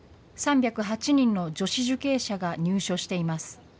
３０８人の女子受刑者が入所しています。